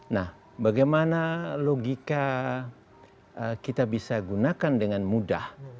nah bagaimana logika kita bisa gunakan dengan mudah